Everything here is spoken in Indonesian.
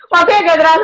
waktunya nggak terasa